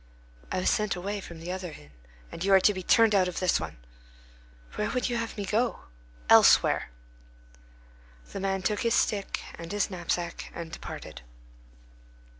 "I was sent away from the other inn." "And you are to be turned out of this one." "Where would you have me go?" "Elsewhere." The man took his stick and his knapsack and departed.